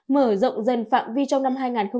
mở rộng dân phạm vi trong năm hai nghìn hai mươi hai